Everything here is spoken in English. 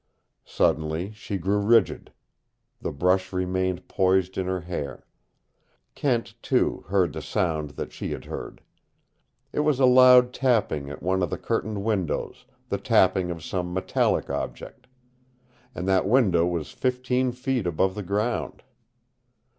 Suddenly she grew rigid. The brush remained poised in her hair. Kent, too, heard the sound that she had heard. It was a loud tapping at one of the curtained windows, the tapping of some metallic object. And that window was fifteen feet above the ground!